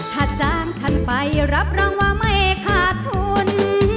ถ้าจ้างฉันไปรับรองว่าไม่ขาดทุน